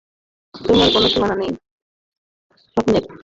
তোমার কোনো সীমানা নেই, কেননা স্বপ্নের কোনো নির্ধারিত গণ্ডি থাকে না।